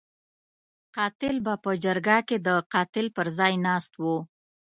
قاتل به په جرګه کې د قاتل پر ځای ناست وو.